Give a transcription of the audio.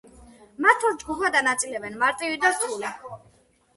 მათ ორ ჯგუფად ანაწილებენ: მარტივი და რთული.